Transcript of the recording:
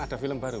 ada film baru